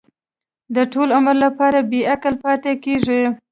د ټول عمر لپاره بې عقل پاتې کېږي.